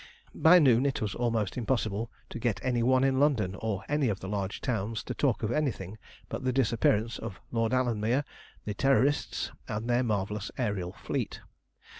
By noon it was almost impossible to get any one in London or any of the large towns to talk of anything but the disappearance of Lord Alanmere, the Terrorists, and their marvellous aërial fleet.